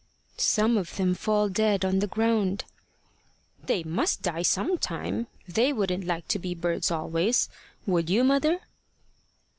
"Some of them fall dead on the ground." "They must die some time. They wouldn't like to be birds always. Would you, mother?"